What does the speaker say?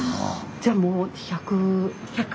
じゃあもう１００。